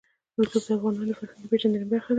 رسوب د افغانانو د فرهنګي پیژندنې برخه ده.